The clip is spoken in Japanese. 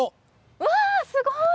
うわすごい！